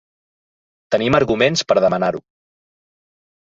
Tenim arguments per a demanar-ho.